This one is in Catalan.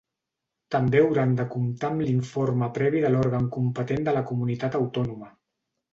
També hauran de comptar amb l'informe previ de l’òrgan competent de la comunitat autònoma.